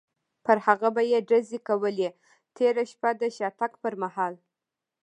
پر هغه به یې ډزې کولې، تېره شپه د شاتګ پر مهال.